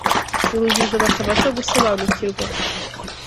urujijo batabasha gusobanukirwa